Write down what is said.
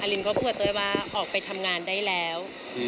ลินก็พูดกับเต้ยว่าออกไปทำงานได้แล้ว